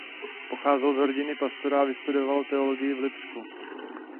Pocházel z rodiny pastora a vystudoval teologii v Lipsku.